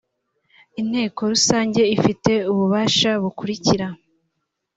inteko rusange ifite ububasha bukurikira